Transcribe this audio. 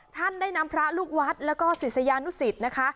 ท่านได้นำพระลูกวัดแล้วก็ศิษยานุสิตนะคะ